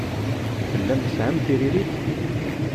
Tellam tesɛam tiririt?